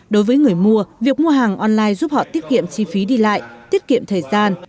đối với người mua việc mua hàng online giúp họ tiết kiệm chi phí đi lại tiết kiệm thời gian